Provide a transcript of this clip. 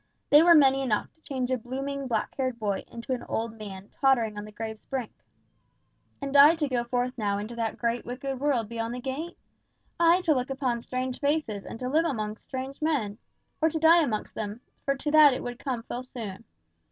They were many enough to change a blooming, black haired boy into an old man tottering on the grave's brink. And I to go forth now into that great, wicked world beyond the gate! I to look upon strange faces, and to live amongst strange men! Or to die amongst them, for to that it would come full soon!